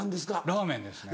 ラーメンですね。